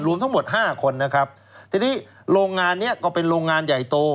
รวมทั้งหมดห้าคนนะครับทีนี้โรงงานเนี้ยก็เป็นโรงงานใหญ่โต